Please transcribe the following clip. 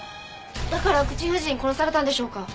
だから口封じに殺されたんでしょうか？